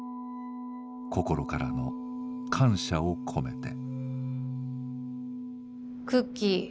心からの感謝を込めて。